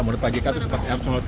menurut pak jk itu seperti apa